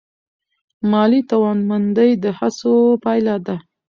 مالي توانمندي د هڅو پایله ده.